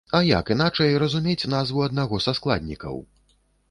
А як іначай разумець назву аднаго са складнікаў?